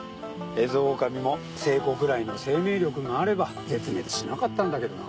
エゾオオカミも聖子くらいの生命力があれば絶滅しなかったんだけどな。